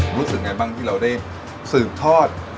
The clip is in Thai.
รู้สึกไงบ้างที่เราได้สืบทอด